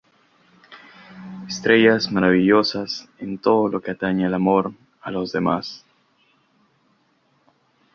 Estrellas maravillosas en todo lo que atañe al amor a los demás.